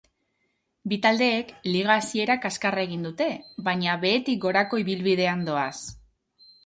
Bi taldeek liga hasiera kaskarra egin dute, baina behetik gorako ibilbidean doaz.